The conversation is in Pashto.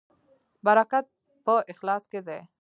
برکت په اخلاص کې دی